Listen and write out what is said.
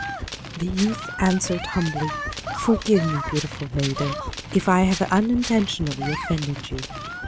The youth answered humbly: 'Forgive me, beautiful maiden, if I have unintentionally offended you.